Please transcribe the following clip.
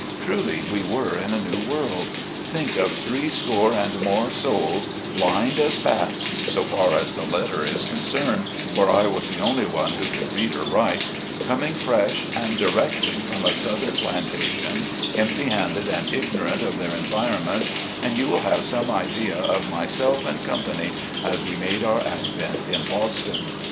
Truly we were in a new world. Think of three score and more souls, blind as bats — so far as the letter is concerned ; for I was the only one who could read or write — coming fresh, and directly from a Southern plantation, empty handed and ignorant of their environments, and you will have some idea of myself and company as we made our advent in Boston.